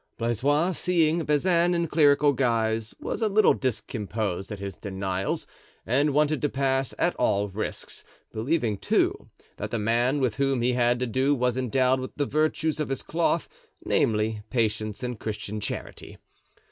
Blaisois seeing Bazin in clerical guise, was a little discomposed at his denials and wanted to pass at all risks, believing too, that the man with whom he had to do was endowed with the virtues of his cloth, namely, patience and Christian charity.